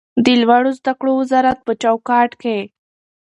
د لوړو زده کړو وزارت په چوکاټ کې